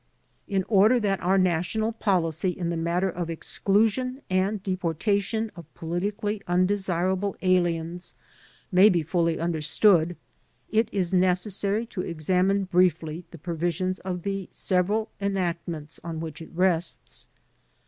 In order that our national policy in the matter of exclusion and deportation of politically unde sirable aliens may be fully understood, it is necessary to examine briefly the provisions of the several enact ments on which it rests.